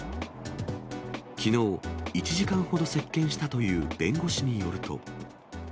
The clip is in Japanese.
きのう、１時間ほど接見したという弁護士によると。